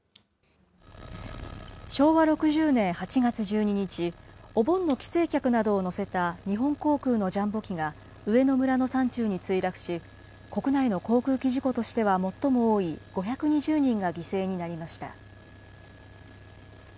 昭和６０年８月１２日、お盆の帰省客などを乗せた日本航空のジャンボ機が上野村の山中に墜落し、国内の航空機事故としては最も多い５２０人が犠牲になりました。